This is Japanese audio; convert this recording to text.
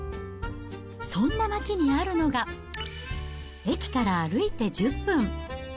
そんな街にあるのが、駅から歩いて１０分。